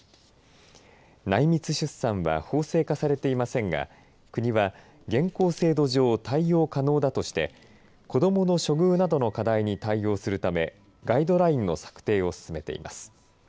内密出産は法制化されていませんが国は現行制度上対応可能だとして子どもの処遇などの課題に対応するためガイドラインの策定を進めています。